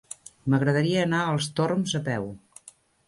M'agradaria anar als Torms a peu.